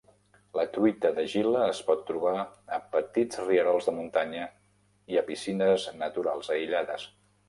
La truita de Gila es pot trobar a petits rierols de muntanya i a piscines naturals aïllades.